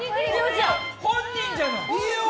本人じゃない！